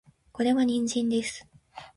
これは人参です